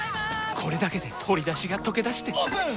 これだけで鶏だしがとけだしてオープン！